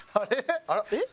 えっ？